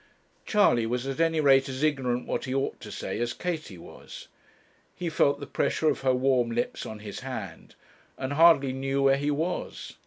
Charley was at any rate as ignorant what he ought to say as Katie was. He felt the pressure of her warm lips on his hand, and hardly knew where he was.